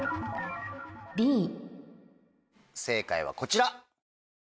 正解はこちら。